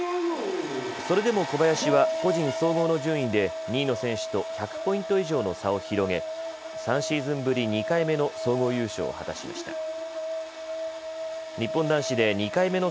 それでも小林は個人総合の順位で２位の選手と１００ポイント以上の差を広げ３シーズンぶり２回目の総合優勝を果たしました。